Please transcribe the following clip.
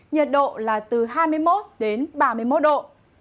nhiệt độ là từ hai mươi một đến ba mươi một độ